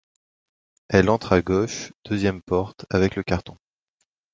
Elle entre à gauche, deuxième porte, avec le carton.